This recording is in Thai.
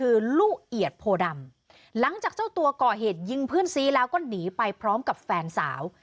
คือลูกเอียดโพดำหลังจากเจ้าตัวก่อเหตุยิงเพื่อนซีแล้วก็หนีไปพร้อมกับแฟนสาว